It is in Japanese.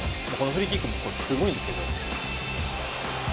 フリーキックもすごいんですけど。